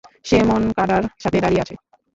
যে মনকাডার সাথে দাঁড়িয়ে আছে।